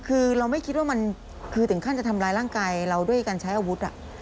คือเราไม่คิดว่ามันคือถึงขั้นจะทำร้ายร่างกายเราด้วยการใช้อาวุธ